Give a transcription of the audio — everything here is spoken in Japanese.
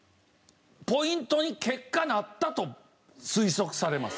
ポイントに結果なったと推測されます。